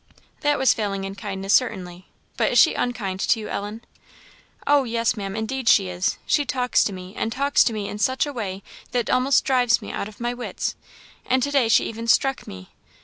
"That was failing in kindness, certainly, but is she unkind to you, Ellen?" "Oh, yes, Maam, indeed she is. She talks to me, and talks to me, in a way that almost drives me out of my wits; and to day she even struck me!